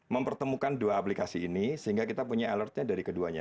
mempertemukan dua aplikasi ini sehingga kita punya alertnya dari keduanya